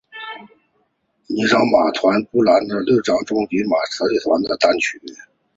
妮裳马戏团是布兰妮第六张专辑中妮裳马戏团的单曲。